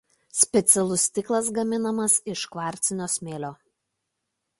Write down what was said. Specialus stiklas gaminamas iš kvarcinio smėlio.